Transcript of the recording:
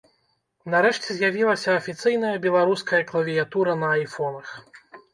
Нарэшце з'явілася афіцыйная беларуская клавіятура на айфонах.